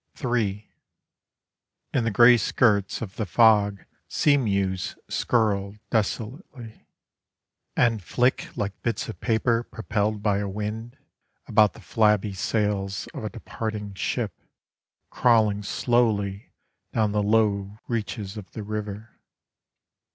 III In the grey skirts of the fog seamews skirl desolately, And flick like bits of paper propelled by a wind About the flabby sails of a departing ship Crawling slowly down the low reaches Of the river.